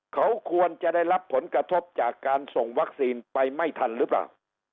เขาควรจะได้รับผลกระทบจากการส่งวัคซีนไปไม่ทันหรือเปล่า